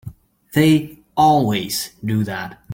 They always do that.